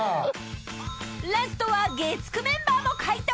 ［ラストは月９メンバーも回答］